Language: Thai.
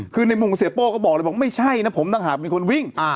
คือในมุมเสียโป้เขาบอกว่าไม่ใช่นะผมต่างหากเป็นคนวิ่ง